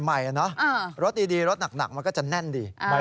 เหมือนรถใหม่นะรถดีรถหนักมันก็จะแน่นดี